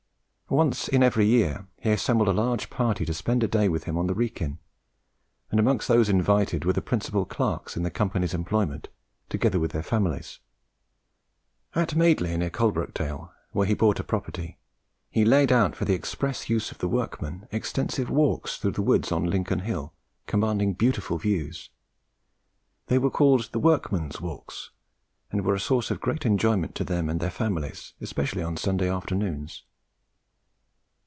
Once in every year he assembled a large party to spend a day with him on the Wrekin, and amongst those invited were the principal clerks in the company's employment, together with their families. At Madeley, near Coalbrookdale, where he bought a property, he laid out, for the express use of the workmen, extensive walks through the woods on Lincoln Hill, commanding beautiful views. They were called "The Workmen's Walks," and were a source of great enjoyment to them and their families, especially on Sunday afternoons.